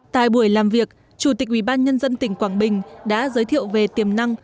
tại buổi làm việc chủ tịch ubnd tỉnh quảng bình đã giới thiệu về tiềm năng